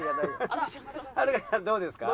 どうですか？